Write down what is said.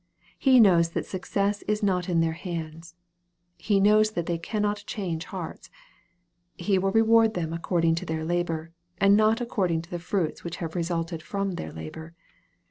He knows that success is not in their hands. He knows that they cannot change hearts. He will reward them according to their labor, and not according to the fruits which have resulted from their labor.